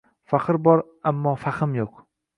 Faxr bor, ammo fahm yo‘q